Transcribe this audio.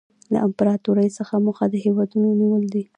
له امپراطورۍ څخه موخه د هېوادونو نیول دي